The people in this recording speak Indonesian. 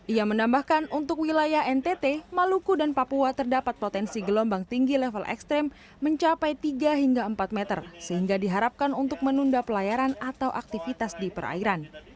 ia menambahkan untuk wilayah ntt maluku dan papua terdapat potensi gelombang tinggi level ekstrim mencapai tiga hingga empat meter sehingga diharapkan untuk menunda pelayaran atau aktivitas di perairan